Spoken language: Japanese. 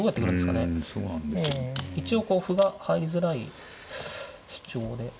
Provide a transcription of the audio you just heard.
一応歩が入りづらい主張で。